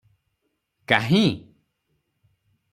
କାହିଁ?